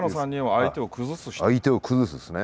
相手を崩すことですね。